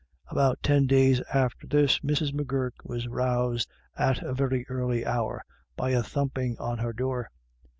About ten days after this, Mrs. M'Gurk was roused at a very early hour by a thumping on her door.